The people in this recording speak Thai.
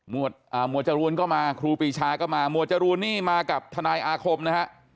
หมวดจรูนก็มาครูปีชาก็มาหมวดจรูนนี่มากับทนายอาคมนะฮะ